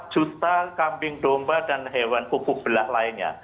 empat juta kambing domba dan hewan pupuk belah lainnya